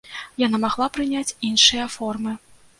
Яна магла прыняць іншыя формы.